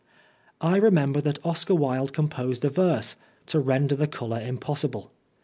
I remember that Oscar Wilde composed a verse "to render the colour impossible."